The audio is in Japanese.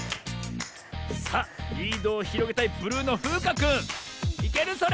さあリードをひろげたいブルーのふうかくんいけるそれ？